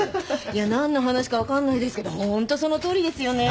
いや。何の話か分かんないですけどホントそのとおりですよね。